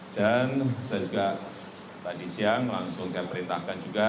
dan saya juga tadi siang langsung saya perintahkan juga